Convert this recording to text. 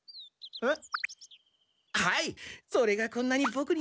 えっ？